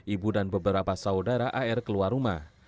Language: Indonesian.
ibu dan beberapa saudara ar keluar rumah